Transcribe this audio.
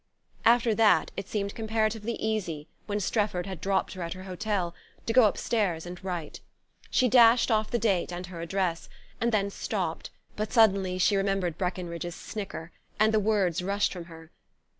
After that it seemed comparatively easy, when Strefford had dropped her at her hotel, to go upstairs and write. She dashed off the date and her address, and then stopped; but suddenly she remembered Breckenridge's snicker, and the words rushed from her.